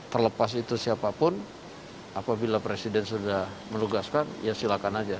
terlepas itu siapapun apabila presiden sudah menugaskan ya silakan aja